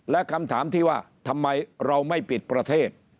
และคำถามที่ว่าทำไมเราไม่ปิดประเทศ